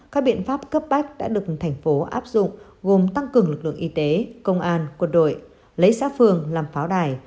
các biện pháp cấp bách đã được thành phố áp dụng gồm tăng cường lực lượng y tế công an quân đội lấy xã phường làm pháo đài